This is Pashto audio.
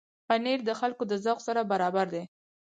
پنېر د خلکو د ذوق سره برابر دی.